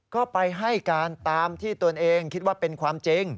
ก็ไปให้การตามที่ตนเองคิดว่าเป็นความจริง